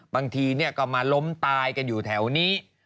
บางทีก็มาล้มตายกันอยู่แถวนี้